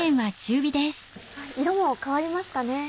色も変わりましたね。